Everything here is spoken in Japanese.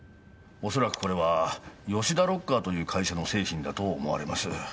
恐らくこれは吉田ロッカーという会社の製品だと思われます。